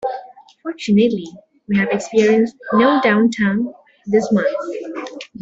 Fortunately, we have experienced no downtime this month.